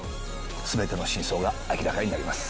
全ての真相が明らかになります。